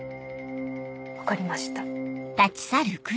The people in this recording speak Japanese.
分かりました。